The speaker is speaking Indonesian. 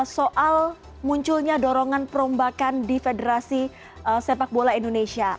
soal munculnya dorongan perombakan di federasi sepak bola indonesia